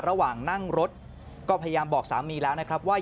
ระหว่างนั่งรถก็พยายามบอกสามีแล้วนะครับว่า